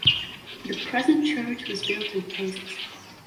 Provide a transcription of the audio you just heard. The present church was built in phases.